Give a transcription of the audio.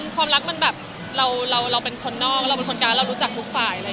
ความรักมันแบบเราเป็นคนนอกแล้วเราเป็นคนการ์เรารู้จักทุกฝ่าย